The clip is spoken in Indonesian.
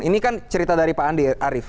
ini kan cerita dari pak andi arief